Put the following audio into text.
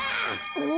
お！